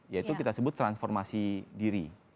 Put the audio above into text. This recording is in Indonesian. ya itu kita sebut transformasi diri